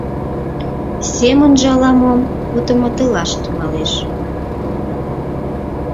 Семынже ала-мом вудыматылаш тӱҥалеш.